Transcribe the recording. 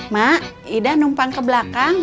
mak ida numpang ke belakang